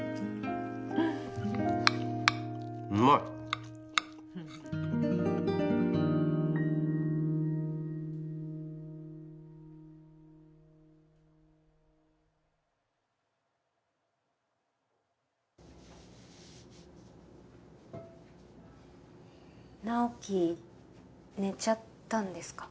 うまい直木寝ちゃったんですか？